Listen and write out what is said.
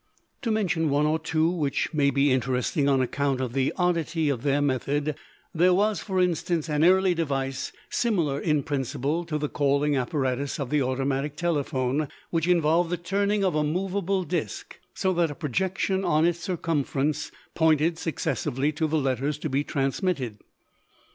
To mention one or two which may be interesting on account of the oddity of their method there was, for instance, an early device, similar in principle to the calling apparatus of the automatic telephone, which involved the turning of a movable disk so that a projection on its circumference pointed successively to the letters to be transmitted.